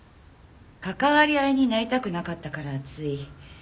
関わり合いになりたくなかったからつい。